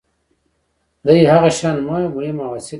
دي هغه شیان مهم او اصیل ګڼي.